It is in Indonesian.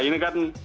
ya ini kan